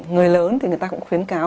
người lớn thì người ta cũng khuyến cáo